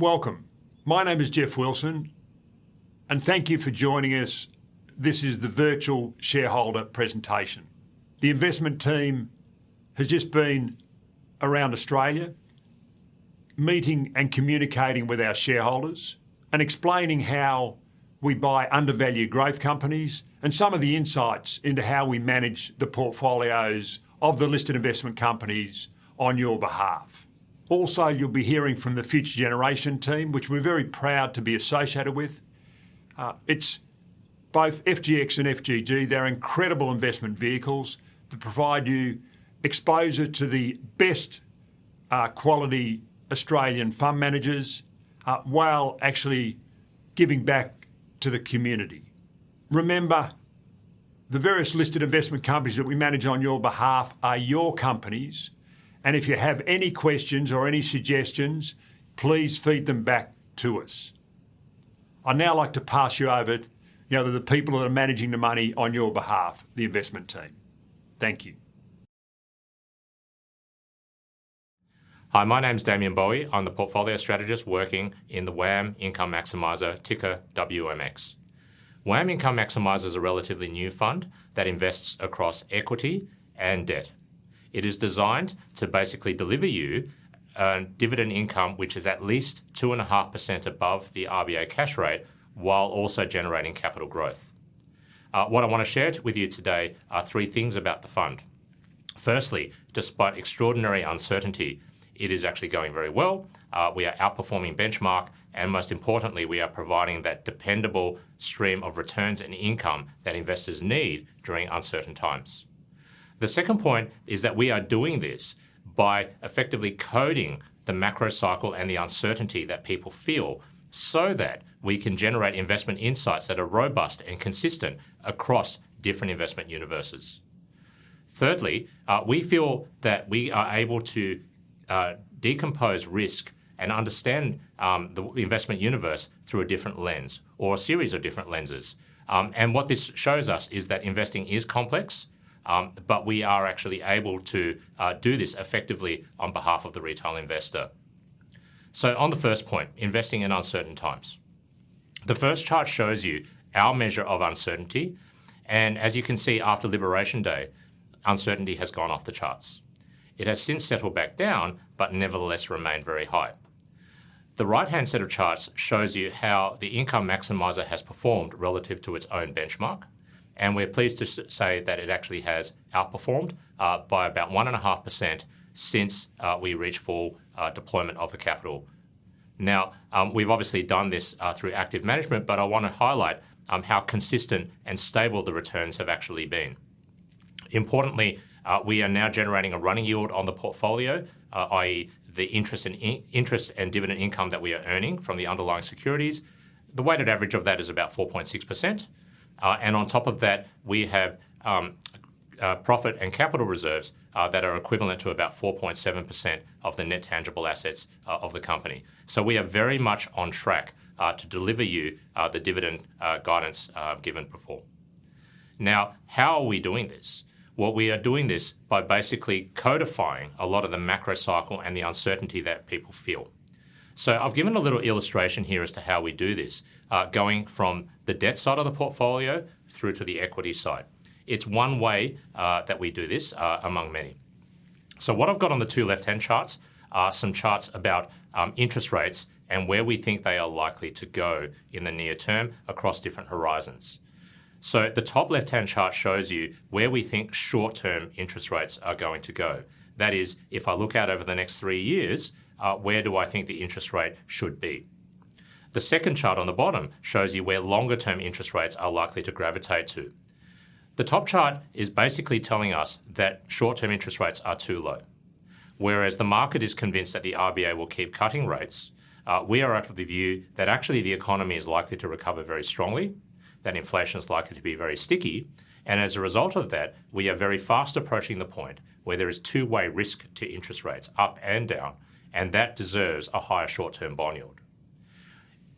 Welcome. My name is Geoff Wilson. Thank you for joining us. This is the virtual shareholder presentation. The investment team has just been around Australia, meeting and communicating with our shareholders, and explaining how we buy undervalued growth companies and some of the insights into how we manage the portfolios of the listed investment companies on your behalf. Also, you'll be hearing from the Future Generation team, which we're very proud to be associated with. It's both FGX and FGG. They're incredible investment vehicles that provide you exposure to the best quality Australian fund managers while actually giving back to the community. Remember, the various listed investment companies that we manage on your behalf are your companies. If you have any questions or any suggestions, please feed them back to us. I'd now like to pass you over to the people that are managing the money on your behalf, the investment team. Thank you. Hi, my name's Damien Boey. I'm the Portfolio Strategist working in the WAM Income Maximiser, ticker WMX. WAM Income Maximiser is a relatively new fund that invests across equity and debt. It is designed to basically deliver you a dividend income, which is at least 2.5% above the RBA cash rate, while also generating capital growth. What I want to share with you today are three things about the fund. Firstly, despite extraordinary uncertainty, it is actually going very well. We are outperforming benchmark. Most importantly, we are providing that dependable stream of returns and income that investors need during uncertain times. The second point is that we are doing this by effectively coding the macro cycle and the uncertainty that people feel so that we can generate investment insights that are robust and consistent across different investment universes. Thirdly, we feel that we are able to decompose risk and understand the investment universe through a different lens or a series of different lenses. What this shows us is that investing is complex, but we are actually able to do this effectively on behalf of the retail investor. On the first point, investing in uncertain times. The first chart shows you our measure of uncertainty. As you can see, after Liberation Day, uncertainty has gone off the charts. It has since settled back down, but nevertheless remained very high. The right-hand set of charts shows you how the Income Maximiser has performed relative to its own benchmark. We're pleased to say that it actually has outperformed by about 1.5% since we reached full deployment of the capital. We've obviously done this through active management. I want to highlight how consistent and stable the returns have actually been. Importantly, we are now generating a running yield on the portfolio, i.e., the interest and dividend income that we are earning from the underlying securities. The weighted average of that is about 4.6%. On top of that, we have profit and capital reserves that are equivalent to about 4.7% of the net tangible assets of the company. We are very much on track to deliver you the dividend guidance given before. How are we doing this? We are doing this by basically codifying a lot of the macro cycle and the uncertainty that people feel. I've given a little illustration here as to how we do this, going from the debt side of the portfolio through to the equity side. It's one way that we do this, among many. What I've got on the two left-hand charts are some charts about interest rates and where we think they are likely to go in the near term across different horizons. The top left-hand chart shows you where we think short-term interest rates are going to go. That is, if I look out over the next three years, where do I think the interest rate should be? The second chart on the bottom shows you where longer-term interest rates are likely to gravitate to. The top chart is basically telling us that short-term interest rates are too low. Whereas the market is convinced that the RBA will keep cutting rates, we are of the view that actually the economy is likely to recover very strongly, that inflation is likely to be very sticky. As a result of that, we are very fast approaching the point where there is two-way risk to interest rates, up and down, and that deserves a higher short-term bond yield.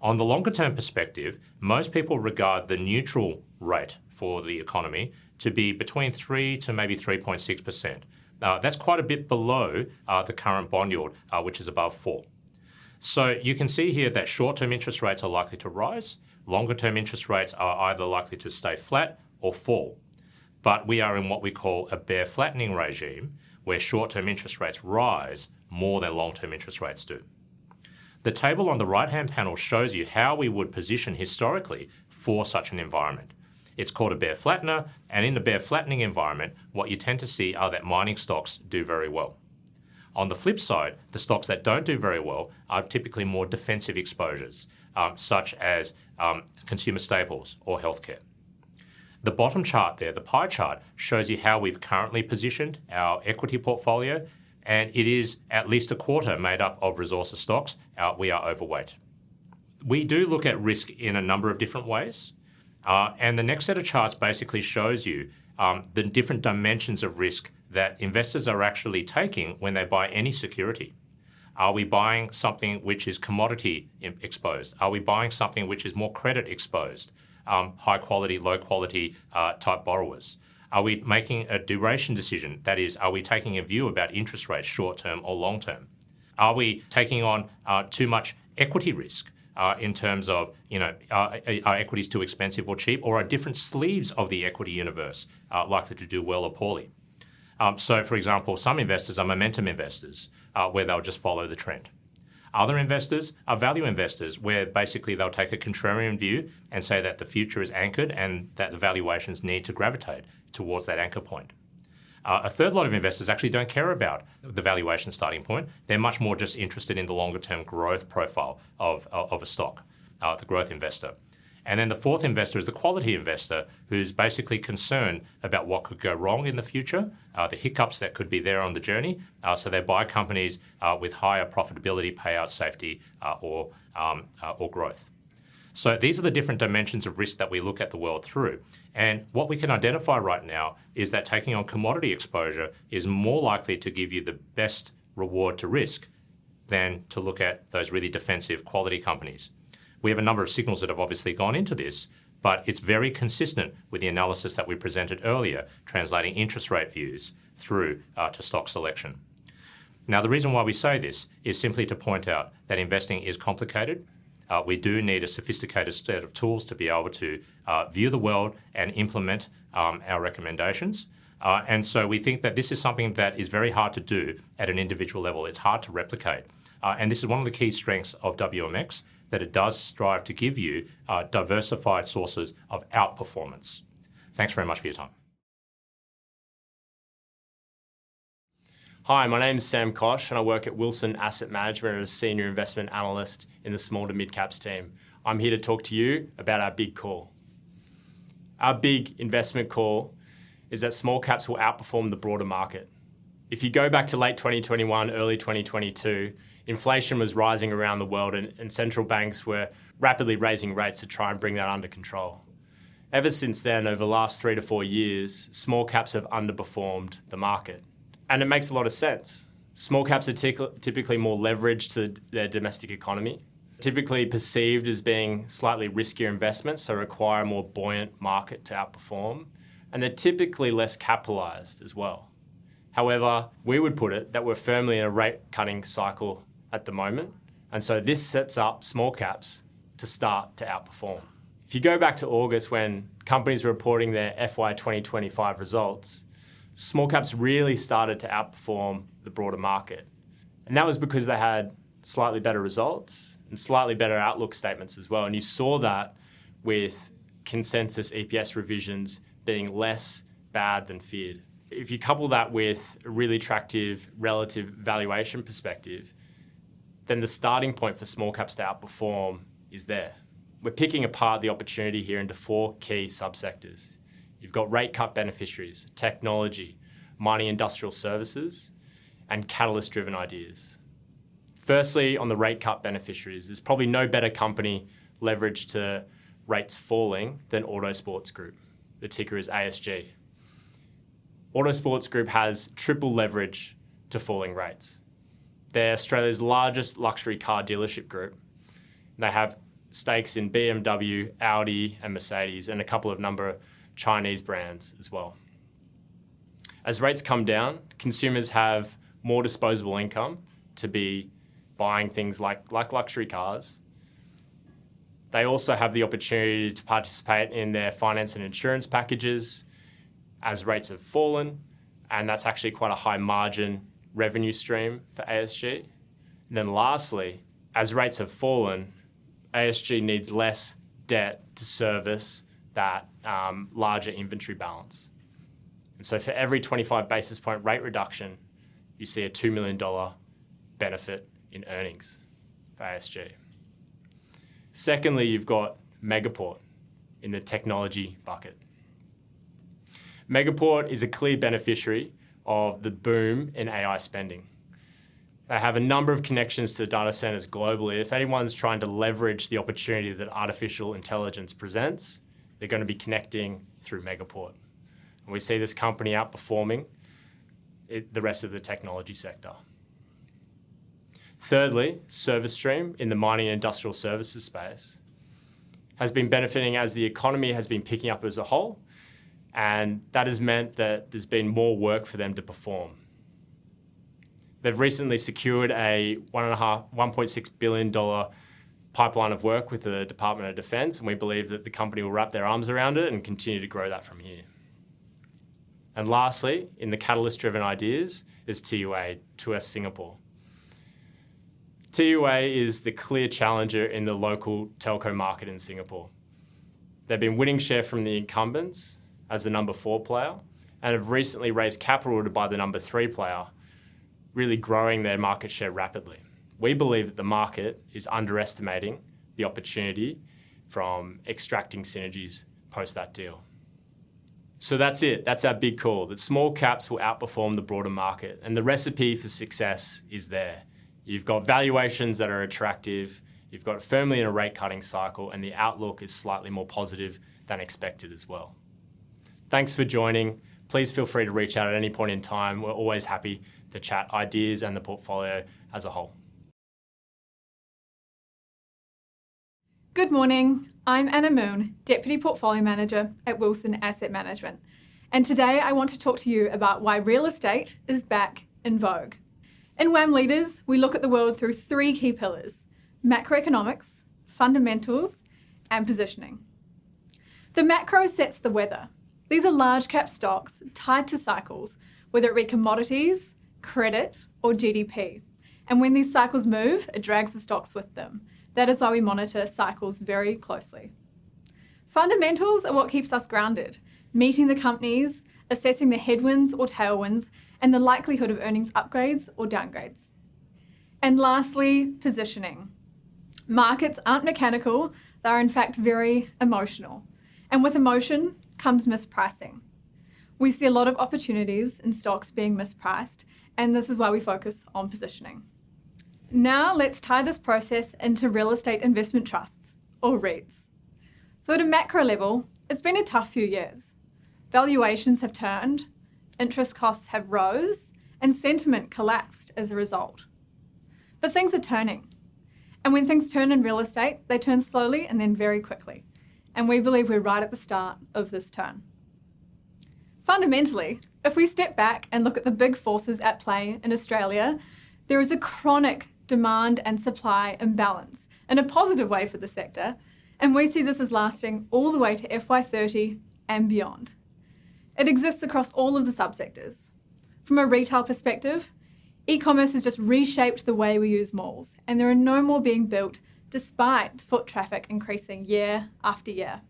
On the longer-term perspective, most people regard the neutral rate for the economy to be between 3% to maybe 3.6%. That's quite a bit below the current bond yield, which is above 4%. You can see here that short-term interest rates are likely to rise. Longer-term interest rates are either likely to stay flat or fall. We are in what we call a bear flattening regime, where short-term interest rates rise more than long-term interest rates do. The table on the right-hand panel shows you how we would position historically for such an environment. It's called a bear flattener. In the bear flattening environment, what you tend to see are that mining stocks do very well. On the flip side, the stocks that don't do very well are typically more defensive exposures, such as consumer staples or health care. The bottom chart there, the pie chart, shows you how we've currently positioned our equity portfolio. It is at least a quarter made up of resources stocks. We are overweight. We do look at risk in a number of different ways. The next set of charts basically shows you the different dimensions of risk that investors are actually taking when they buy any security. Are we buying something which is commodity exposed? Are we buying something which is more credit exposed? High-quality, low-quality type borrowers? Are we making a duration decision? That is, are we taking a view about interest rates short-term or long-term? Are we taking on too much equity risk in terms of are equities too expensive or cheap? Are different sleeves of the equity universe likely to do well or poorly? For example, some investors are momentum investors, where they'll just follow the trend. Other investors are value investors, where basically they'll take a contrarian view and say that the future is anchored and that the valuations need to gravitate towards that anchor point. A third lot of investors actually don't care about the valuation starting point. They're much more just interested in the longer-term growth profile of a stock, the growth investor. The fourth investor is the quality investor, who's basically concerned about what could go wrong in the future, the hiccups that could be there on the journey. They buy companies with higher profitability, payout safety, or growth. These are the different dimensions of risk that we look at the world through. What we can identify right now is that taking on commodity exposure is more likely to give you the best reward to risk than to look at those really defensive quality companies. We have a number of signals that have obviously gone into this, but it's very consistent with the analysis that we presented earlier, translating interest rate views through to stock selection. The reason why we say this is simply to point out that investing is complicated. We do need a sophisticated set of tools to be able to view the world and implement our recommendations. We think that this is something that is very hard to do at an individual level. It's hard to replicate. This is one of the key strengths of WMX, that it does strive to give you diversified sources of outperformance. Thanks very much for your time. Hi, my name is Sam Koch, and I work at Wilson Asset Management as a Senior Investment Analyst in the small to mid-caps team. I'm here to talk to you about our big call. Our big investment call is that small caps will outperform the broader market. If you go back to late 2021, early 2022, inflation was rising around the world, and central banks were rapidly raising rates to try and bring that under control. Ever since then, over the last three to four years, small caps have underperformed the market. It makes a lot of sense. Small caps are typically more leveraged to their domestic economy, typically perceived as being slightly riskier investments, so require a more buoyant market to outperform. They're typically less capitalized as well. However, we would put it that we're firmly in a rate-cutting cycle at the moment. This sets up small caps to start to outperform. If you go back to August, when companies were reporting their FY 2025 results, small caps really started to outperform the broader market. That was because they had slightly better results and slightly better outlook statements as well. You saw that with consensus EPS revisions being less bad than feared. If you couple that with a really attractive relative valuation perspective, then the starting point for small caps to outperform is there. We're picking apart the opportunity here into four key subsectors. You've got rate-cut beneficiaries, technology, mining industrial services, and catalyst-driven ideas. Firstly, on the rate-cut beneficiaries, there's probably no better company leveraged to rates falling than Autosports Group, the ticker is ASG. Autosports Group has triple leverage to falling rates. They're Australia's largest luxury car dealership group. They have stakes in BMW, Audi, and Mercedes, and a number of Chinese brands as well. As rates come down, consumers have more disposable income to be buying things like luxury cars. They also have the opportunity to participate in their finance and insurance packages as rates have fallen. That's actually quite a high-margin revenue stream for ASG. Lastly, as rates have fallen, ASG needs less debt to service that larger inventory balance. For every 25 basis point rate reduction, you see a $2 million benefit in earnings for ASG. Secondly, you've got Megaport in the technology bucket. Megaport is a clear beneficiary of the boom in AI spending. They have a number of connections to data centers globally. If anyone's trying to leverage the opportunity that artificial intelligence presents, they're going to be connecting through Megaport. We see this company outperforming the rest of the technology sector. Thirdly, Service Stream in the mining and industrial services space has been benefiting as the economy has been picking up as a whole. That has meant that there's been more work for them to perform. They've recently secured a $1.6 billion pipeline of work with the Department of Defense. We believe that the company will wrap their arms around it and continue to grow that from here. Lastly, in the catalyst-driven ideas is TUI Tuas Singapore. TUI is the clear challenger in the local telco market in Singapore. They've been winning share from the incumbents as the number four player and have recently raised capital to buy the number three player, really growing their market share rapidly. We believe that the market is underestimating the opportunity from extracting synergies post that deal. That's it. That's our big call, that small caps will outperform the broader market. The recipe for success is there. You've got valuations that are attractive. You've got it firmly in a rate-cutting cycle. The outlook is slightly more positive than expected as well. Thanks for joining. Please feel free to reach out at any point in time. We're always happy to chat ideas and the portfolio as a whole. Good morning. I'm Anna Milne, Deputy Portfolio Manager at Wilson Asset Management. Today, I want to talk to you about why real estate is back in vogue. In WAM Leaders, we look at the world through three key pillars: macroeconomics, fundamentals, and positioning. The macro sets the weather. These are large-cap stocks tied to cycles, whether it be commodities, credit, or GDP. When these cycles move, it drags the stocks with them. That is why we monitor cycles very closely. Fundamentals are what keeps us grounded, meeting the companies, assessing the headwinds or tailwinds, and the likelihood of earnings upgrades or downgrades. Lastly, positioning. Markets aren't mechanical. They are, in fact, very emotional. With emotion comes mispricing. We see a lot of opportunities in stocks being mispriced. This is why we focus on positioning. Now, let's tie this process into real estate investment trusts, or REITs. At a macro level, it's been a tough few years. Valuations have turned. Interest costs have risen. Sentiment collapsed as a result. Things are turning. When things turn in real estate, they turn slowly and then very quickly. We believe we're right at the start of this turn. Fundamentally, if we step back and look at the big forces at play in Australia, there is a chronic demand and supply imbalance, in a positive way for the sector. We see this as lasting all the way to FY 2030 and beyond. It exists across all of the subsectors. From a retail perspective, e-commerce has just reshaped the way we use malls. There are no more being built despite foot traffic increasing year after year.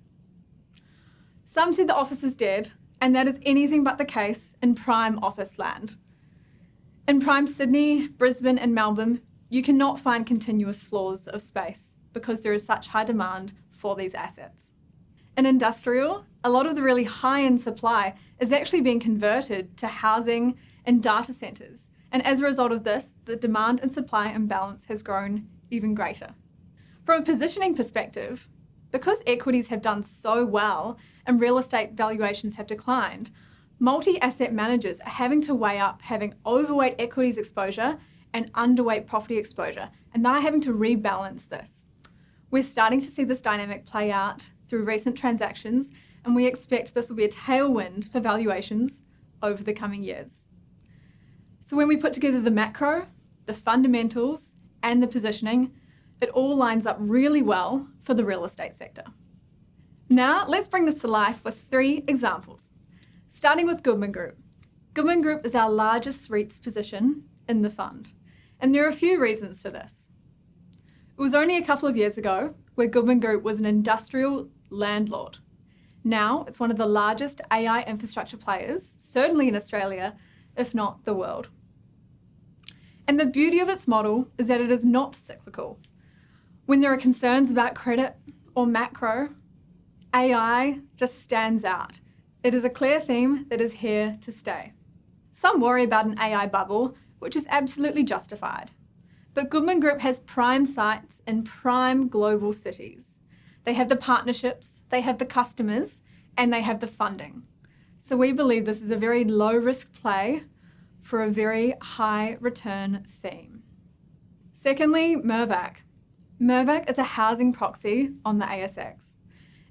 Some say the office is dead. That is anything but the case in prime office land. In prime Sydney, Brisbane, and Melbourne, you cannot find continuous floors of space because there is such high demand for these assets. In industrial, a lot of the really high-end supply is actually being converted to housing and data centers. As a result of this, the demand and supply imbalance has grown even greater. From a positioning perspective, because equities have done so well and real estate valuations have declined, multi-asset managers are having to weigh up having overweight equities exposure and underweight property exposure. They're having to rebalance this. We're starting to see this dynamic play out through recent transactions. We expect this will be a tailwind for valuations over the coming years. When we put together the macro, the fundamentals, and the positioning, it all lines up really well for the real estate sector. Now, let's bring this to life with three examples, starting with Goodman Group. Goodman Group is our largest REITs position in the fund. There are a few reasons for this. It was only a couple of years ago where Goodman Group was an industrial landlord. Now, it's one of the largest AI infrastructure players, certainly in Australia, if not the world. The beauty of its model is that it is not cyclical. When there are concerns about credit or macro, AI just stands out. It is a clear theme that is here to stay. Some worry about an AI bubble, which is absolutely justified. Goodman Group has prime sites in prime global cities. They have the partnerships. They have the customers. They have the funding. We believe this is a very low-risk play for a very high-return theme. Secondly, Mirvac. Mirvac is a housing proxy on the ASX.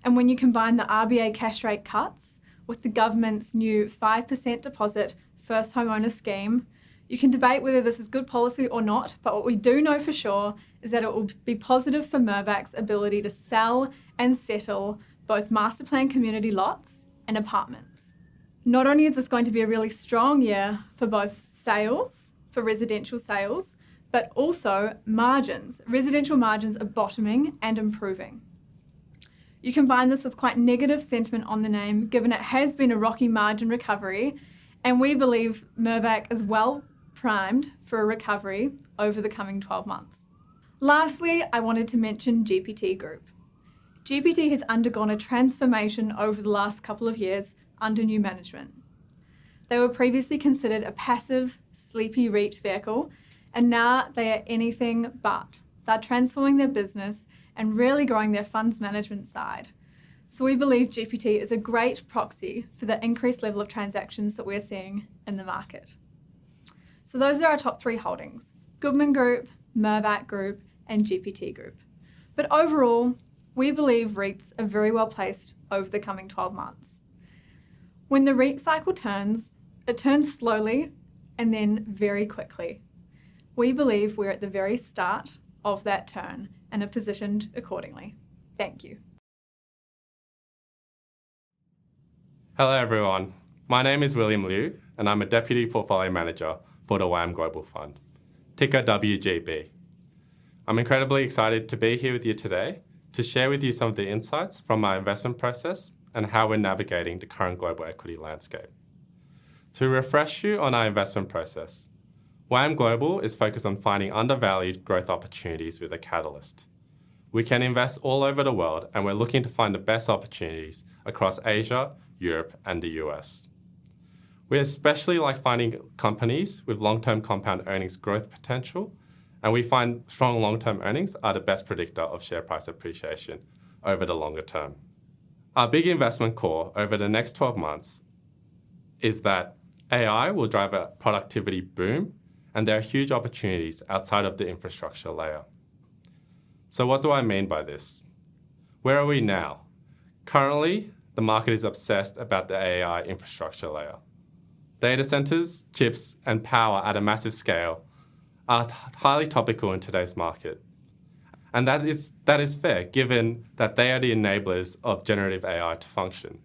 When you combine the RBA cash rate cuts with the government's new 5% deposit first homeowner scheme, you can debate whether this is good policy or not. What we do know for sure is that it will be positive for Mirvac's ability to sell and settle both master plan community lots and apartments. Not only is this going to be a really strong year for both sales, for residential sales, but also margins. Residential margins are bottoming and improving. You can find this with quite negative sentiment on the name, given it has been a rocky margin recovery. We believe Mirvac is well primed for a recovery over the coming 12 months. Lastly, I wanted to mention GPT Group. GPT has undergone a transformation over the last couple of years under new management. They were previously considered a passive, sleepy REIT vehicle. Now, they are anything but. They're transforming their business and really growing their funds management side. We believe GPT is a great proxy for the increased level of transactions that we're seeing in the market. Those are our top three holdings: Goodman Group, Mirvac Group, and GPT Group. Overall, we believe REITs are very well placed over the coming 12 months. When the REIT cycle turns, it turns slowly and then very quickly. We believe we're at the very start of that turn and are positioned accordingly. Thank you. Hello, everyone. My name is William Liu, and I'm a Deputy Portfolio Manager for the WAM Global Fund, ticker WGB. I'm incredibly excited to be here with you today to share with you some of the insights from our investment process and how we're navigating the current global equity landscape. To refresh you on our investment process, WAM Global is focused on finding undervalued growth opportunities with a catalyst. We can invest all over the world, and we're looking to find the best opportunities across Asia, Europe, and the U.S. We especially like finding companies with long-term compound earnings growth potential. We find strong long-term earnings are the best predictor of share price appreciation over the longer term. Our big investment core over the next 12 months is that AI will drive a productivity boom, and there are huge opportunities outside of the infrastructure layer. What do I mean by this? Where are we now? Currently, the market is obsessed about the AI infrastructure layer. Data centers, chips, and power at a massive scale are highly topical in today's market. That is fair, given that they are the enablers of generative AI to function.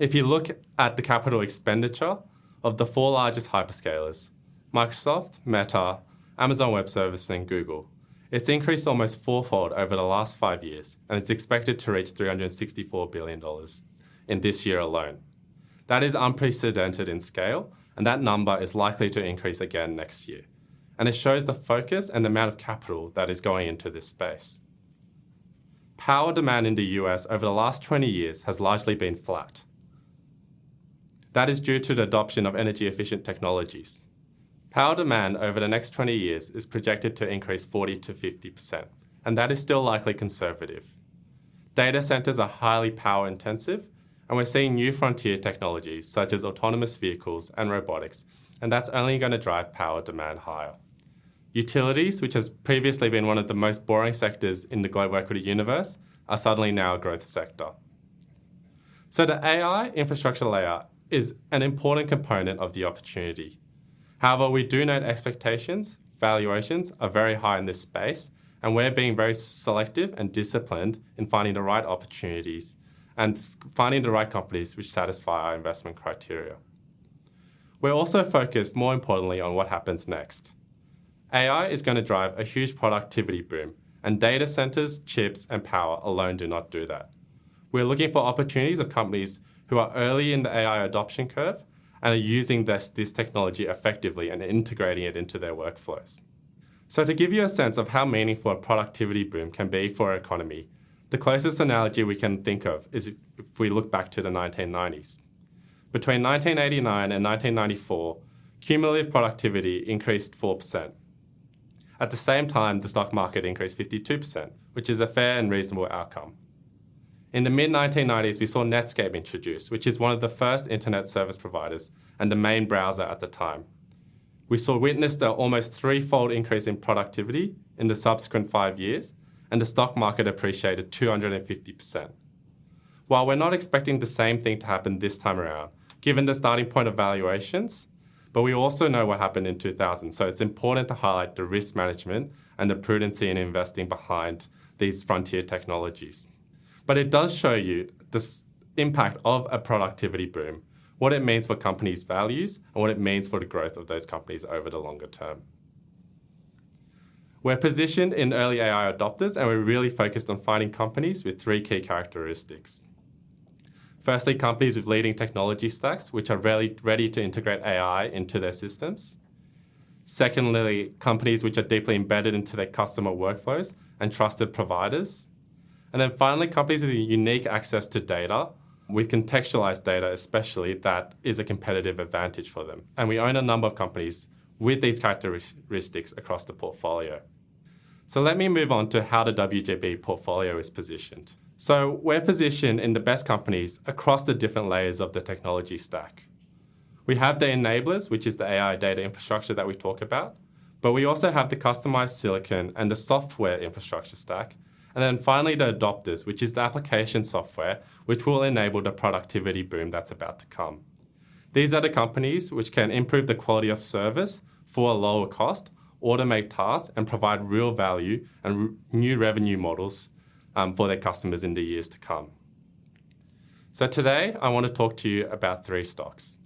If you look at the capital expenditure of the four largest hyperscalers: Microsoft, Meta, Amazon Web Services, and Google, it's increased almost fourfold over the last five years. It's expected to reach $364 billion in this year alone. That is unprecedented in scale. That number is likely to increase again next year. It shows the focus and the amount of capital that is going into this space. Power demand in the U.S. over the last 20 years has largely been flat. That is due to the adoption of energy-efficient technologies. Power demand over the next 20 years is projected to increase 40%-50%. That is still likely conservative. Data centers are highly power-intensive. We're seeing new frontier technologies, such as autonomous vehicles and robotics. That's only going to drive power demand higher. Utilities, which has previously been one of the most boring sectors in the global equity universe, are suddenly now a growth sector. The AI infrastructure layer is an important component of the opportunity. However, we do note expectations. Valuations are very high in this space. We're being very selective and disciplined in finding the right opportunities and finding the right companies which satisfy our investment criteria. We're also focused, more importantly, on what happens next. AI is going to drive a huge productivity boom. Data centers, chips, and power alone do not do that. We're looking for opportunities of companies who are early in the AI adoption curve and are using this technology effectively and integrating it into their workflows. To give you a sense of how meaningful a productivity boom can be for our economy, the closest analogy we can think of is if we look back to the 1990s. Between 1989 and 1994, cumulative productivity increased 4%. At the same time, the stock market increased 52%, which is a fair and reasonable outcome. In the mid-1990s, we saw Netscape introduced, which is one of the first internet service providers and the main browser at the time. We witnessed an almost threefold increase in productivity in the subsequent five years, and the stock market appreciated 250%. We're not expecting the same thing to happen this time around, given the starting point of valuations, but we also know what happened in 2000. It's important to highlight the risk management and the prudency in investing behind these frontier technologies. It does show you the impact of a productivity boom, what it means for companies' values, and what it means for the growth of those companies over the longer term. We're positioned in early AI adopters, and we're really focused on finding companies with three key characteristics. Firstly, companies with leading technology stacks, which are ready to integrate AI into their systems. Secondly, companies which are deeply embedded into their customer workflows and trusted providers. Finally, companies with unique access to data, with contextualized data especially, that is a competitive advantage for them. We own a number of companies with these characteristics across the portfolio. Let me move on to how the WGB portfolio is positioned. We're positioned in the best companies across the different layers of the technology stack. We have the enablers, which is the AI data infrastructure that we talk about. We also have the customized silicon and the software infrastructure stack. Finally, the adopters, which is the application software, will enable the productivity boom that's about to come. These are the companies which can improve the quality of service for a lower cost, automate tasks, and provide real value and new revenue models for their customers in the years to come. Today, I want to talk to you about three stocks.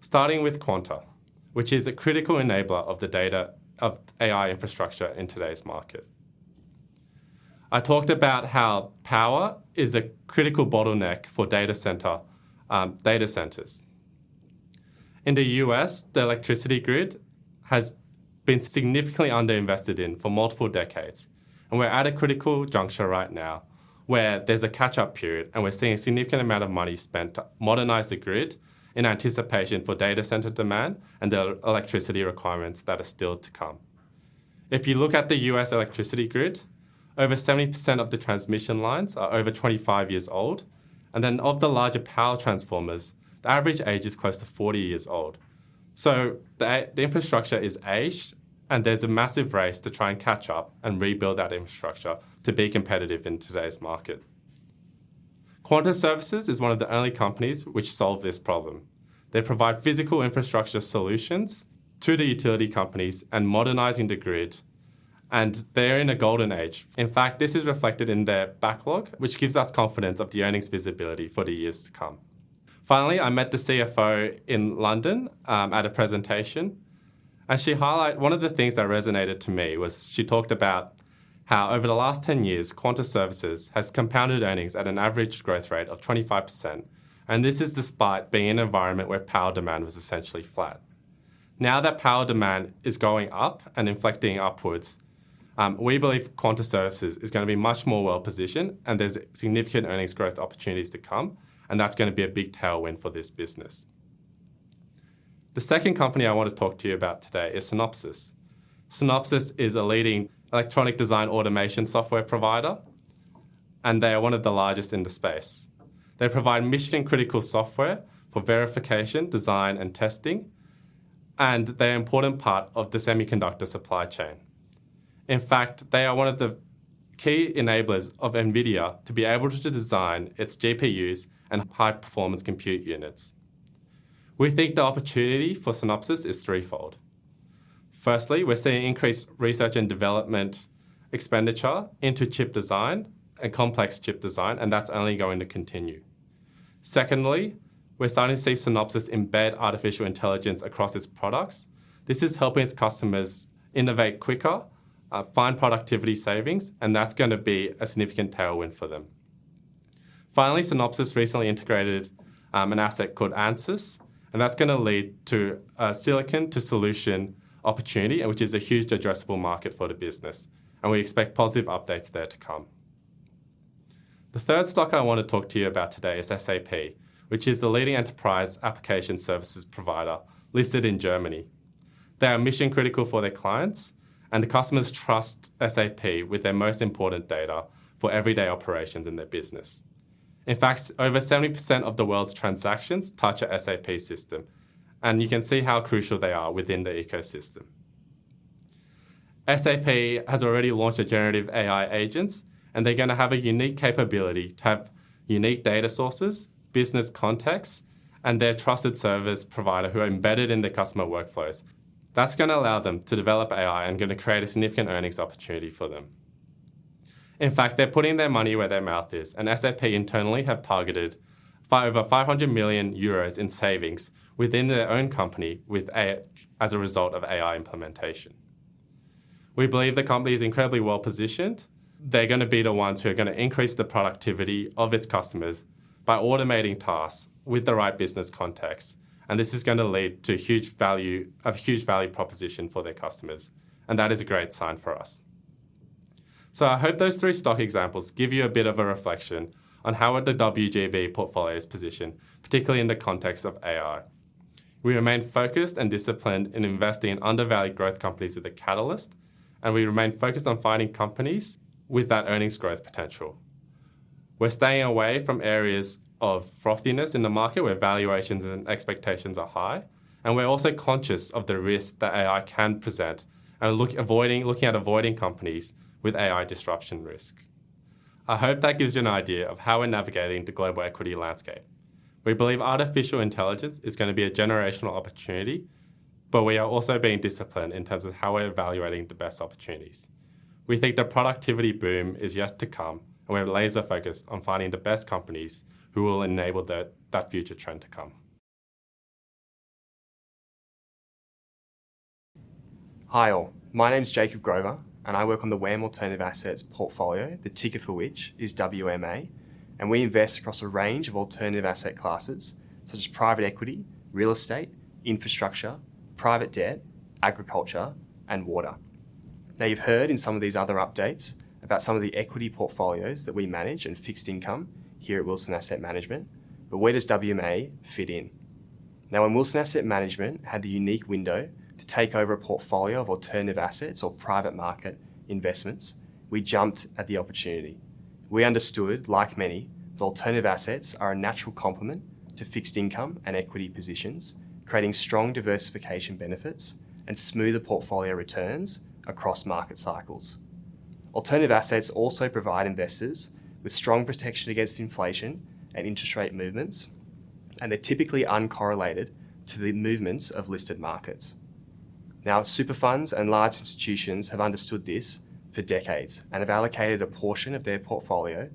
Starting with Quanta, which is a critical enabler of the data of AI infrastructure in today's market. I talked about how power is a critical bottleneck for data centers. In the U.S., the electricity grid has been significantly underinvested in for multiple decades. We're at a critical juncture right now where there's a catch-up period. We're seeing a significant amount of money spent to modernize the grid in anticipation for data center demand and the electricity requirements that are still to come. If you look at the U.S. electricity grid, over 70% of the transmission lines are over 25 years old. Of the larger power transformers, the average age is close to 40 years old. The infrastructure is aged, and there's a massive race to try and catch up and rebuild that infrastructure to be competitive in today's market. Quanta Services is one of the only companies which solve this problem. They provide physical infrastructure solutions to the utility companies and modernize the grid. They're in a golden age. In fact, this is reflected in their backlog, which gives us confidence of the earnings visibility for the years to come. I met the CFO in London at a presentation. She highlighted one of the things that resonated to me was she talked about how over the last 10 years, Quanta Services has compounded earnings at an average growth rate of 25%. This is despite being in an environment where power demand was essentially flat. Now that power demand is going up and inflecting upwards, we believe Quanta Services is going to be much more well positioned. There's significant earnings growth opportunities to come, and that's going to be a big tailwind for this business. The second company I want to talk to you about today is Synopsys. Synopsys is a leading electronic design automation software provider. They are one of the largest in the space. They provide mission-critical software for verification, design, and testing. They are an important part of the semiconductor supply chain. In fact, they are one of the key enablers of NVIDIA to be able to design its GPUs and high-performance compute units. We think the opportunity for Synopsys is threefold. Firstly, we're seeing increased research and development expenditure into chip design and complex chip design, and that's only going to continue. Secondly, we're starting to see Synopsys embed artificial intelligence across its products. This is helping its customers innovate quicker and find productivity savings, and that's going to be a significant tailwind for them. Finally, Synopsys recently integrated an asset called Ansys, and that's going to lead to a silicon-to-solution opportunity, which is a huge addressable market for the business. We expect positive updates there to come. The third stock I want to talk to you about today is SAP, which is the leading enterprise application services provider listed in Germany. They are mission-critical for their clients, and the customers trust SAP with their most important data for everyday operations in their business. In fact, over 70% of the world's transactions touch an SAP system, and you can see how crucial they are within the ecosystem. SAP has already launched a generative AI agent, and they're going to have a unique capability to have unique data sources, business contexts, and their trusted service provider who are embedded in the customer workflows. That's going to allow them to develop AI and going to create a significant earnings opportunity for them. In fact, they're putting their money where their mouth is, and SAP internally have targeted over 500 million euros in savings within their own company as a result of AI implementation. We believe the company is incredibly well positioned. They're going to be the ones who are going to increase the productivity of its customers by automating tasks with the right business context, and this is going to lead to a huge value proposition for their customers. That is a great sign for us. I hope those three stock examples give you a bit of a reflection on how the WGB portfolio is positioned, particularly in the context of AI. We remain focused and disciplined in investing in undervalued growth companies with a catalyst, and we remain focused on finding companies with that earnings growth potential. We're staying away from areas of frothiness in the market where valuations and expectations are high. We're also conscious of the risk that AI can present and looking at avoiding companies with AI disruption risk. I hope that gives you an idea of how we're navigating the global equity landscape. We believe artificial intelligence is going to be a generational opportunity. We are also being disciplined in terms of how we're evaluating the best opportunities. We think the productivity boom is yet to come. We're laser-focused on finding the best companies who will enable that future trend to come. Hi all. My name is Jacob Grover. I work on the WAM Alternative Assets portfolio, the ticker for which is WMA. We invest across a range of alternative asset classes, such as private equity, real estate, infrastructure, private debt, agriculture, and water. You've heard in some of these other updates about some of the equity portfolios that we manage and fixed income here at Wilson Asset Management. Where does WMA fit in? When Wilson Asset Management had the unique window to take over a portfolio of alternative assets or private market investments, we jumped at the opportunity. We understood, like many, that alternative assets are a natural complement to fixed income and equity positions, creating strong diversification benefits and smoother portfolio returns across market cycles. Alternative assets also provide investors with strong protection against inflation and interest rate movements. They're typically uncorrelated to the movements of listed markets. Super funds and large institutions have understood this for decades and have allocated a portion of their portfolio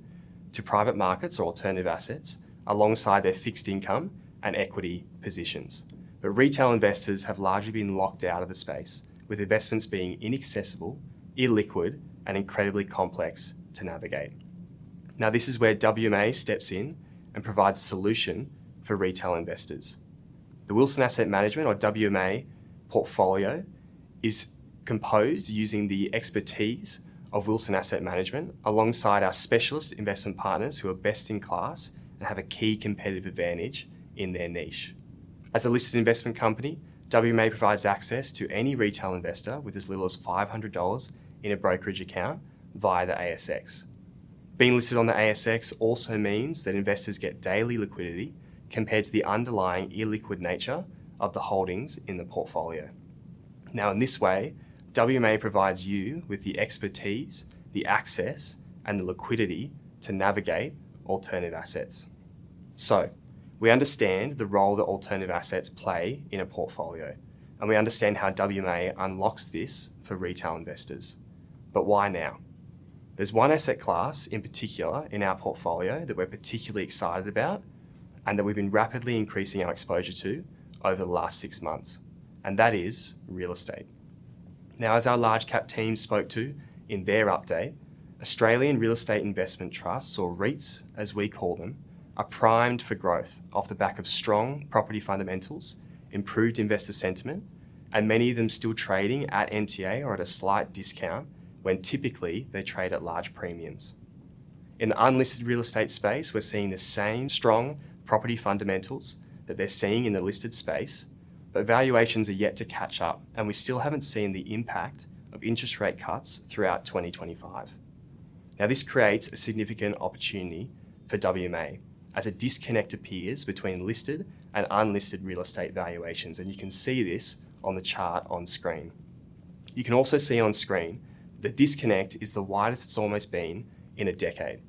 to private markets or alternative assets alongside their fixed income and equity positions. Retail investors have largely been locked out of the space, with investments being inaccessible, illiquid, and incredibly complex to navigate. This is where WMA steps in and provides a solution for retail investors. The Wilson Asset Management, or WMA portfolio, is composed using the expertise of Wilson Asset Management alongside our specialist investment partners who are best in class and have a key competitive advantage in their niche. As a listed investment company, WMA provides access to any retail investor with as little as $500 in a brokerage account via the ASX. Being listed on the ASX also means that investors get daily liquidity compared to the underlying illiquid nature of the holdings in the portfolio. In this way, WMA provides you with the expertise, the access, and the liquidity to navigate alternative assets. We understand the role that alternative assets play in a portfolio, and we understand how WMA unlocks this for retail investors. Why now? There's one asset class in particular in our portfolio that we're particularly excited about and that we've been rapidly increasing our exposure to over the last six months, and that is real estate. As our large-cap team spoke to in their update, Australian Real Estate Investment Trusts, or REITs, as we call them, are primed for growth off the back of strong property fundamentals, improved investor sentiment, and many of them still trading at NTA or at a slight discount when typically they trade at large premiums. In the unlisted real estate space, we're seeing the same strong property fundamentals that they're seeing in the listed space, but valuations are yet to catch up. We still haven't seen the impact of interest rate cuts throughout 2025. This creates a significant opportunity for WMA as a disconnect appears between listed and unlisted real estate valuations. You can see this on the chart on screen. You can also see on screen the disconnect is the widest it's almost been in a decade.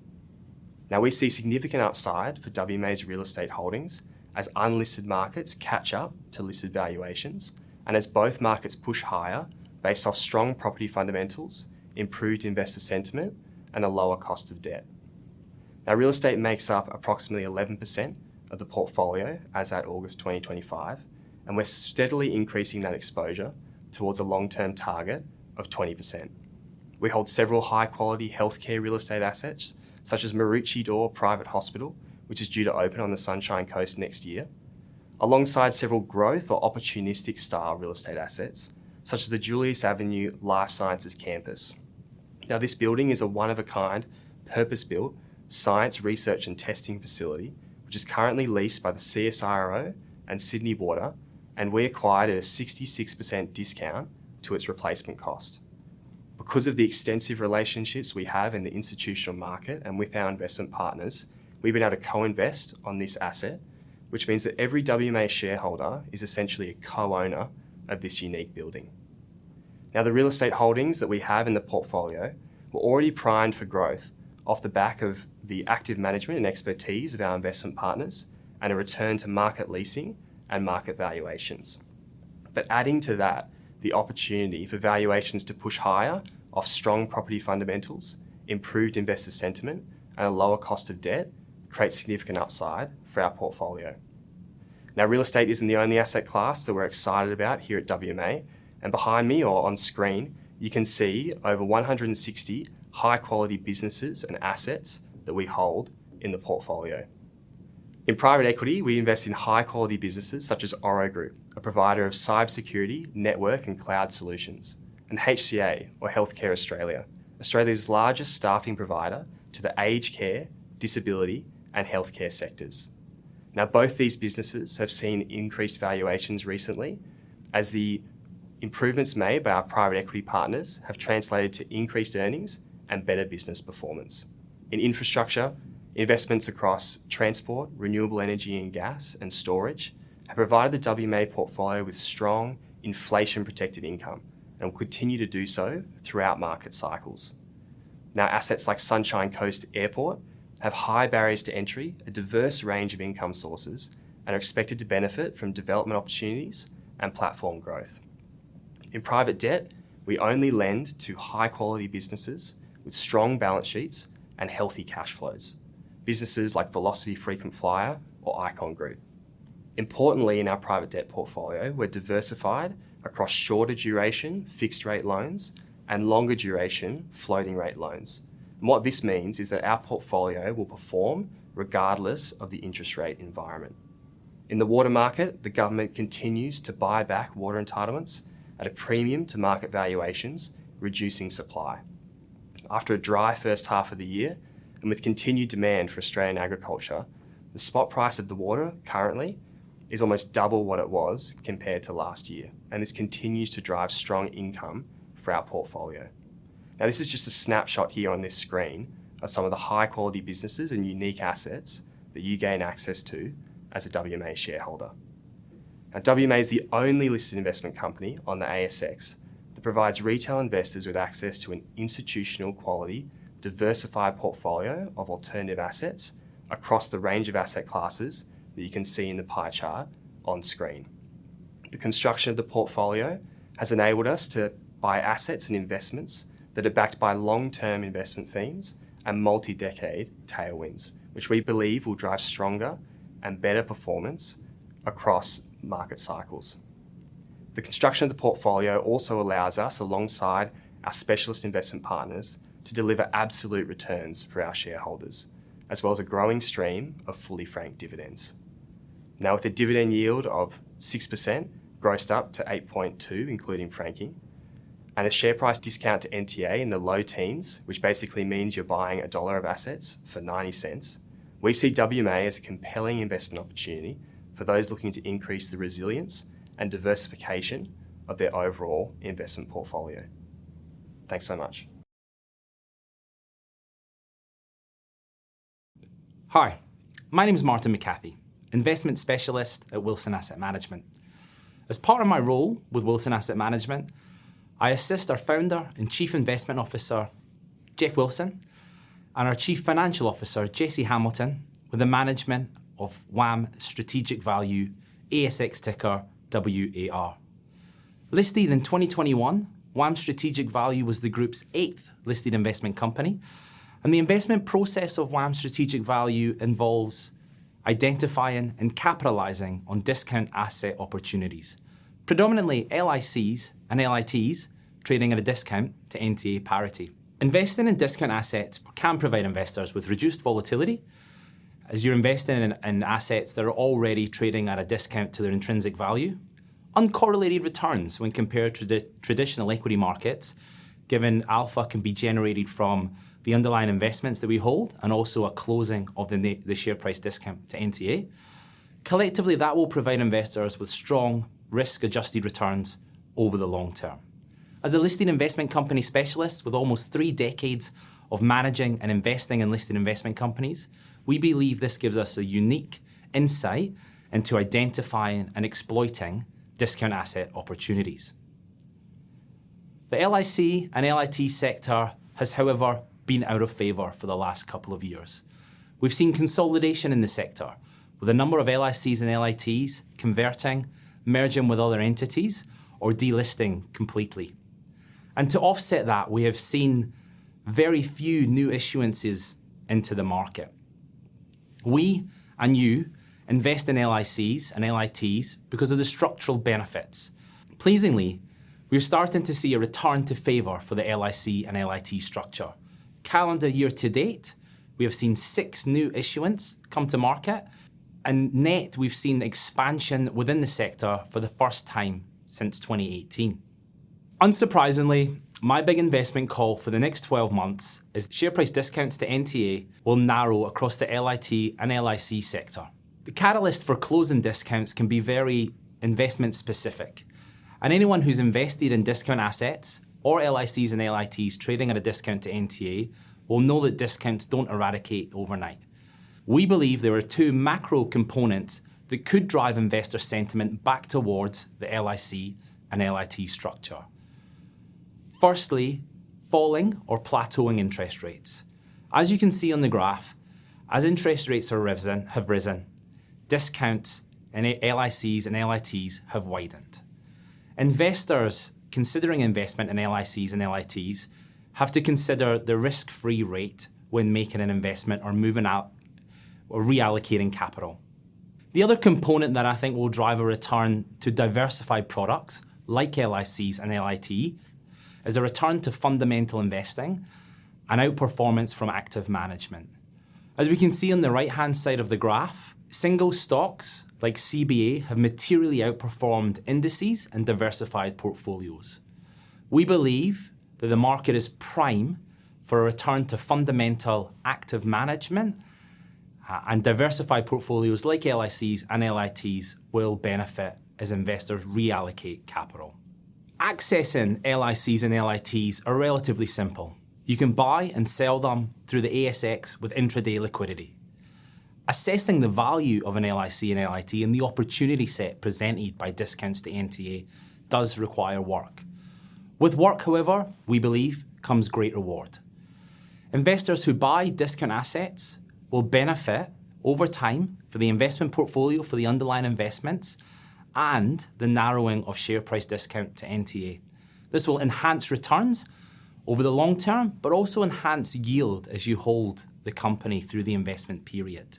We see significant upside for WMA's real estate holdings as unlisted markets catch up to listed valuations and as both markets push higher based off strong property fundamentals, improved investor sentiment, and a lower cost of debt. Real estate makes up approximately 11% of the portfolio as at August 2025, and we're steadily increasing that exposure towards a long-term target of 20%. We hold several high-quality healthcare real estate assets, such as Marucci d'Or Private Hospital, which is due to open on the Sunshine Coast next year, alongside several growth or opportunistic-style real estate assets, such as the Julius Avenue Life Sciences Campus. This building is a one-of-a-kind, purpose-built science research and testing facility, which is currently leased by the CSIRO and Sydney Water. We acquired it at a 66% discount to its replacement cost. Because of the extensive relationships we have in the institutional market and with our investment partners, we've been able to co-invest on this asset, which means that every WMA shareholder is essentially a co-owner of this unique building. The real estate holdings that we have in the portfolio were already primed for growth off the back of the active management and expertise of our investment partners and a return to market leasing and market valuations. Adding to that, the opportunity for valuations to push higher off strong property fundamentals, improved investor sentiment, and a lower cost of debt creates significant upside for our portfolio. Real estate isn't the only asset class that we're excited about here at WMA. Behind me or on screen, you can see over 160 high-quality businesses and assets that we hold in the portfolio. In private equity, we invest in high-quality businesses such as Oro Group, a provider of cybersecurity, network, and cloud solutions, and HCA, or Healthcare Australia, Australia's largest staffing provider to the aged care, disability, and healthcare sectors. Both these businesses have seen increased valuations recently as the improvements made by our private equity partners have translated to increased earnings and better business performance. In infrastructure, investments across transport, renewable energy and gas, and storage have provided the WMA portfolio with strong inflation-protected income and will continue to do so throughout market cycles. Assets like Sunshine Coast Airport have high barriers to entry, a diverse range of income sources, and are expected to benefit from development opportunities and platform growth. In private debt, we only lend to high-quality businesses with strong balance sheets and healthy cash flows, businesses like Velocity Frequent Flyer or Icon Group. Importantly, in our private debt portfolio, we're diversified across shorter-duration fixed-rate loans and longer-duration floating-rate loans. What this means is that our portfolio will perform regardless of the interest rate environment. In the water market, the government continues to buy back water entitlements at a premium to market valuations, reducing supply. After a dry first half of the year and with continued demand for Australian agriculture, the spot price of the water currently is almost double what it was compared to last year. This continues to drive strong income for our portfolio. Now, this is just a snapshot here on this screen of some of the high-quality businesses and unique assets that you gain access to as a WMA shareholder. WMA is the only listed investment company on the ASX that provides retail investors with access to an institutional-quality, diversified portfolio of alternative assets across the range of asset classes that you can see in the pie chart on screen. The construction of the portfolio has enabled us to buy assets and investments that are backed by long-term investment themes and multi-decade tailwinds, which we believe will drive stronger and better performance across market cycles. The construction of the portfolio also allows us, alongside our specialist investment partners, to deliver absolute returns for our shareholders, as well as a growing stream of fully-franked dividends. With a dividend yield of 6% grossed up to 8.2%, including franking, and a share price discount to NTA in the low teens, which basically means you're buying a dollar of assets for $0.90, we see WMA as a compelling investment opportunity for those looking to increase the resilience and diversification of their overall investment portfolio. Thanks so much. Hi. My name is Martyn McCathie, Investment Specialist at Wilson Asset Management. As part of my role with Wilson Asset Management, I assist our Founder and Chief Investment Officer, Geoff Wilson, and our Chief Financial Officer, Jesse Hamilton, with the management of WAM Strategic Value, ASX ticker WAR. Listed in 2021, WAM Strategic Value was the group's eighth listed investment company. The investment process of WAM Strategic Value involves identifying and capitalizing on discount asset opportunities, predominantly LICs and LITs trading at a discount to NTA parity. Investing in discount assets can provide investors with reduced volatility as you're investing in assets that are already trading at a discount to their intrinsic value, uncorrelated returns when compared to the traditional equity markets, given alpha can be generated from the underlying investments that we hold, and also a closing of the share price discount to NTA. Collectively, that will provide investors with strong risk-adjusted returns over the long term. As a listed investment company specialist with almost three decades of managing and investing in listed investment companies, we believe this gives us a unique insight into identifying and exploiting discount asset opportunities. The LIC and LIT sector has, however, been out of favor for the last couple of years. We've seen consolidation in the sector, with a number of LICs and LITs converting, merging with other entities, or delisting completely. To offset that, we have seen very few new issuances into the market. We and you invest in LICs and LITs because of the structural benefits. Pleasingly, we're starting to see a return to favor for the LIC and LIT structure. Calendar year to date, we have seen six new issuants come to market. Net, we've seen expansion within the sector for the first time since 2018. Unsurprisingly, my big investment call for the next 12 months is that share price discounts to NTA will narrow across the LIT and LIC sector. The catalyst for closing discounts can be very investment-specific. Anyone who's invested in discount assets or LICs and LITs trading at a discount to NTA will know that discounts don't eradicate overnight. We believe there are two macro components that could drive investor sentiment back towards the LIC and LIT structure. Firstly, falling or plateauing interest rates. As you can see on the graph, as interest rates have risen, discounts in LICs and LITs have widened. Investors considering investment in LICs and LITs have to consider the risk-free rate when making an investment or moving out or reallocating capital. The other component that I think will drive a return to diversified products like LICs and LITs is a return to fundamental investing and outperformance from active management. As we can see on the right-hand side of the graph, single stocks like CBA have materially outperformed indices and diversified portfolios. We believe that the market is prime for a return to fundamental active management. Diversified portfolios like LICs and LITs will benefit as investors reallocate capital. Accessing LICs and LITs is relatively simple. You can buy and sell them through the ASX with intraday liquidity. Assessing the value of an LIC and LIT and the opportunity set presented by discounts to NTA does require work. With work, however, we believe, comes great reward. Investors who buy discount assets will benefit over time for the investment portfolio, for the underlying investments, and the narrowing of share price discount to NTA. This will enhance returns over the long term, but also enhance yield as you hold the company through the investment period.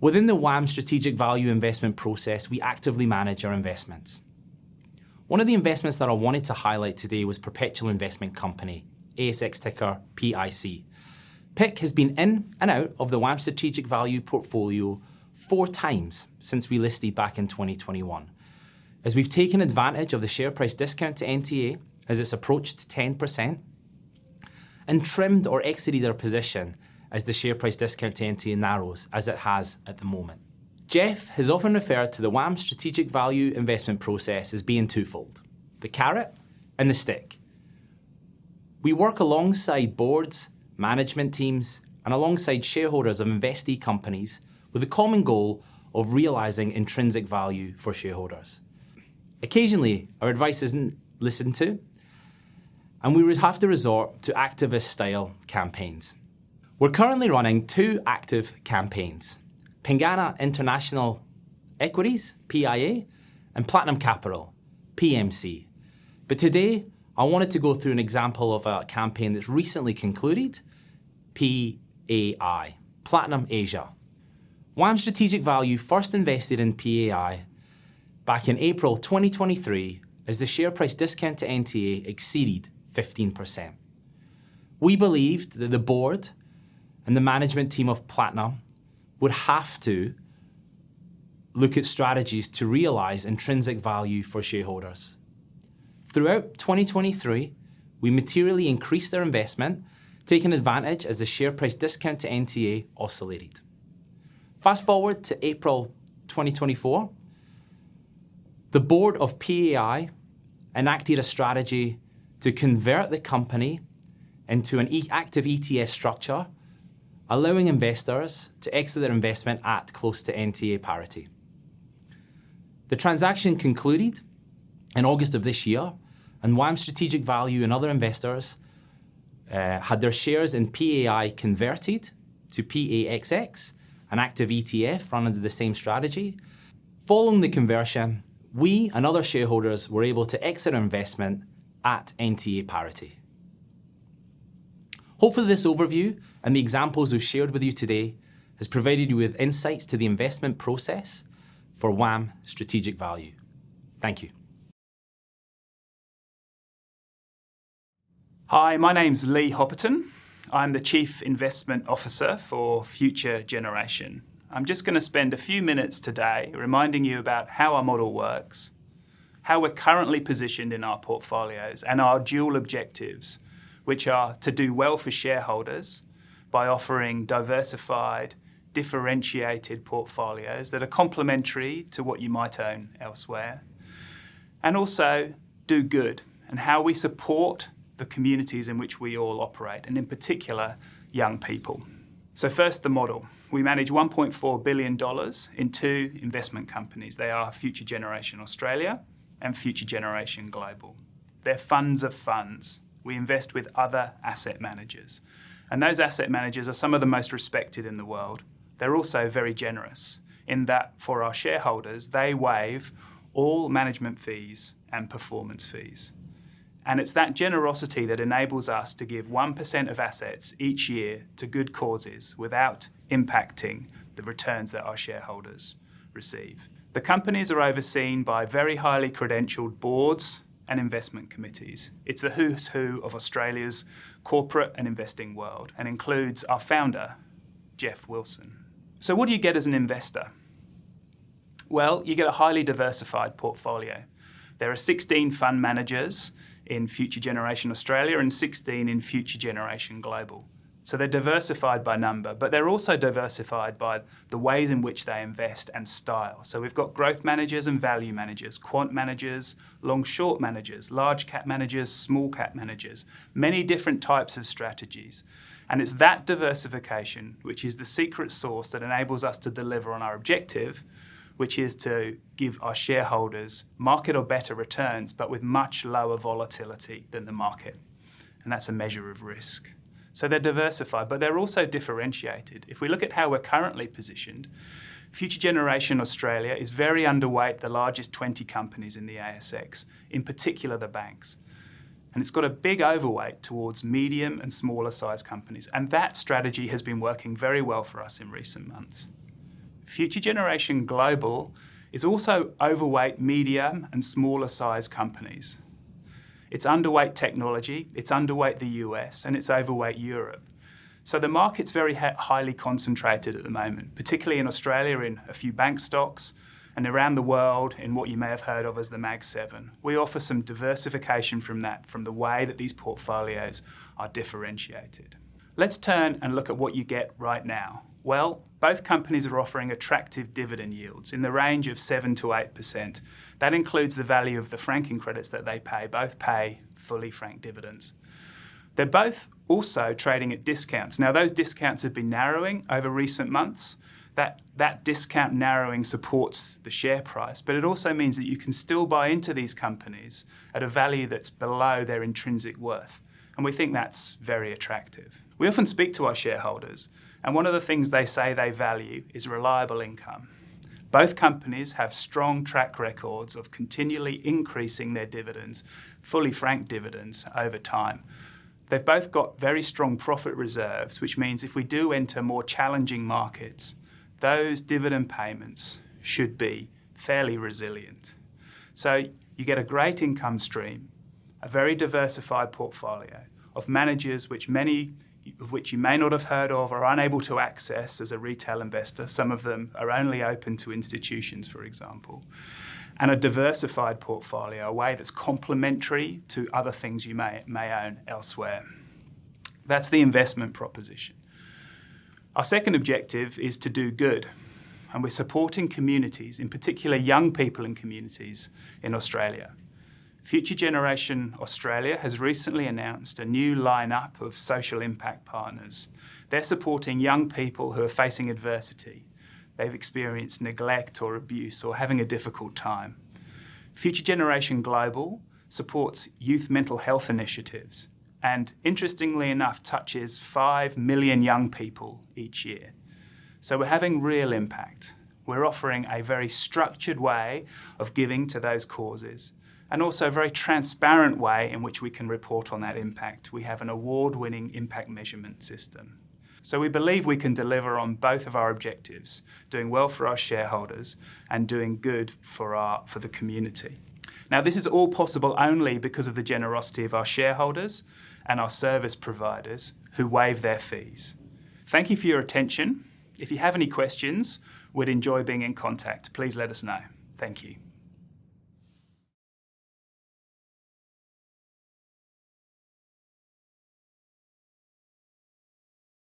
Within the WAM Strategic Value investment process, we actively manage our investments. One of the investments that I wanted to highlight today was Perpetual Investment Company, ASX ticker PIC. PIC has been in and out of the WAM Strategic Value portfolio four times since we listed back in 2021, as we've taken advantage of the share price discount to NTA as it's approached 10% and trimmed or exited our position as the share price discount to NTA narrows as it has at the moment. Geoff has often referred to the WAM Strategic Value investment process as being twofold: the carrot and the stick. We work alongside boards, management teams, and alongside shareholders of investee companies with a common goal of realizing intrinsic value for shareholders. Occasionally, our advice isn't listened to, and we would have to resort to activist-style campaigns. We're currently running two active campaigns: Pengana International Equities (PIA) and Platinum Capital (PMC). Today, I wanted to go through an example of a campaign that's recently concluded: PAI, Platinum Asia. WAM Strategic Value first invested in PAI back in April 2023 as the share price discount to NTA exceeded 15%. We believed that the board and the management team of Platinum would have to look at strategies to realize intrinsic value for shareholders. Throughout 2023, we materially increased our investment, taking advantage as the share price discount to NTA oscillated. Fast forward to April 2024, the board of PAI enacted a strategy to convert the company into an active ETF structure, allowing investors to exit their investment at close to NTA parity. The transaction concluded in August of this year, and WAM Strategic Value and other investors had their shares in PAI converted to PAXX, an active ETF run under the same strategy. Following the conversion, we and other shareholders were able to exit our investment at NTA parity. Hopefully, this overview and the examples we've shared with you today have provided you with insights to the investment process for WAM Strategic Value. Thank you. Hi, my name's Lee Hopperton. I'm the Chief Investment Officer for Future Generation. I'm just going to spend a few minutes today reminding you about how our model works, how we're currently positioned in our portfolios, and our dual objectives, which are to do well for shareholders by offering diversified, differentiated portfolios that are complementary to what you might own elsewhere. Also do good and how we support the communities in which we all operate, in particular, young people. First, the model. We manage $1.4 billion in two investment companies. They are Future Generation Australia and Future Generation Global. They're funds of funds. We invest with other asset managers. Those asset managers are some of the most respected in the world. They're also very generous in that for our shareholders, they waive all management fees and performance fees. It's that generosity that enables us to give 1% of assets each year to good causes without impacting the returns that our shareholders receive. The companies are overseen by very highly credentialed boards and investment committees. It's the who's who of Australia's corporate and investing world and includes our founder, Geoff Wilson. What do you get as an investor? You get a highly diversified portfolio. There are 16 fund managers in Future Generation Australia and 16 in Future Generation Global. They're diversified by number, but they're also diversified by the ways in which they invest and style. We've got growth managers and value managers, quant managers, long-short managers, large-cap managers, small-cap managers, many different types of strategies. It's that diversification, which is the secret sauce that enables us to deliver on our objective, which is to give our shareholders market or better returns, but with much lower volatility than the market. That's a measure of risk. They're diversified, but they're also differentiated. If we look at how we're currently positioned, Future Generation Australia is very underweight the largest 20 companies in the ASX, in particular, the banks. It's got a big overweight towards medium and smaller-sized companies. That strategy has been working very well for us in recent months. Future Generation Global is also overweight medium and smaller-sized companies. It's underweight technology. It's underweight the U.S., and it's overweight Europe. The market's very highly concentrated at the moment, particularly in Australia in a few bank stocks and around the world in what you may have heard of as the Mag 7. We offer some diversification from that, from the way that these portfolios are differentiated. Let's turn and look at what you get right now. Both companies are offering attractive dividend yields in the range of 7%-8%. That includes the value of the franking credits that they pay. Both pay fully-franked dividends. They're both also trading at discounts. Now, those discounts have been narrowing over recent months. That discount narrowing supports the share price, but it also means that you can still buy into these companies at a value that's below their intrinsic worth. We think that's very attractive. We often speak to our shareholders, and one of the things they say they value is reliable income. Both companies have strong track records of continually increasing their dividends, fully-franked dividends over time. They've both got very strong profit reserves, which means if we do enter more challenging markets, those dividend payments should be fairly resilient. You get a great income stream, a very diversified portfolio of managers, many of which you may not have heard of or are unable to access as a retail investor. Some of them are only open to institutions, for example, and a diversified portfolio, a way that's complementary to other things you may own elsewhere. That's the investment proposition. Our second objective is to do good, and we're supporting communities, in particular, young people in communities in Australia. Future Generation Australia has recently announced a new lineup of social impact partners. They're supporting young people who are facing adversity. They've experienced neglect or abuse or having a difficult time. Future Generation Global supports youth mental health initiatives and, interestingly enough, touches 5 million young people each year. We're having real impact. We're offering a very structured way of giving to those causes and also a very transparent way in which we can report on that impact. We have an award-winning impact measurement system. We believe we can deliver on both of our objectives: doing well for our shareholders and doing good for the community. This is all possible only because of the generosity of our shareholders and our service providers who waive their fees. Thank you for your attention. If you have any questions, we'd enjoy being in contact. Please let us know. Thank you.